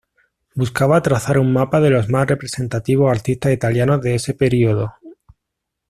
Buscaba trazar un mapa de los más representativos artistas italianos de ese período.